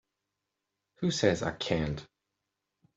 Who says I can't?